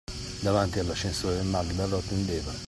Davanti all'ascensore, Magda lo attendeva.